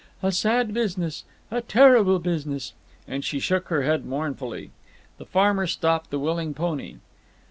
"A sad business. A terrible business." And she shook her head mournfully. The farmer stopped the willing pony.